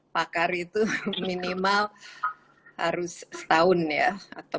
pakar itu minimal harus setahun ya